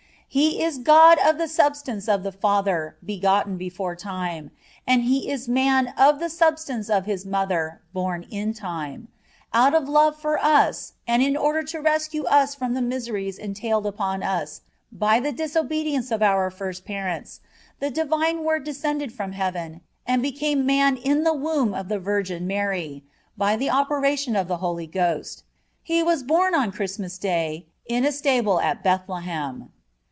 (4) "He is God of the substance of the Father, begotten before time; and He is Man of the substance of His Mother, born in time."(5) Out of love for us, and in order to rescue us from the miseries entailed upon us by the disobedience of our first parents, the Divine Word descended from heaven, and became Man in the womb of the Virgin Mary, by the operation of the Holy Ghost. He was born on Christmas day, in a stable at Bethlehem.